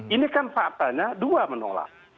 ini kan faktanya dua menolak